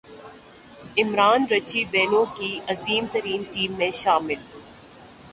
Imran Richie Benaud کی عظیم ترین ٹیم میں شامل